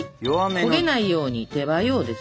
焦げないように手早うです。